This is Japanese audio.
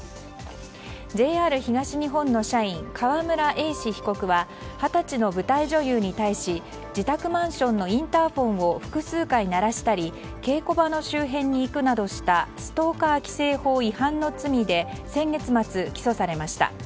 ＪＲ東日本の社員川村英士被告は二十歳の舞台女優に対し自宅マンションのインターホンを複数回、鳴らしたり稽古場の周辺に行くなどしたストーカー規正法違反の罪で先月末、起訴されました。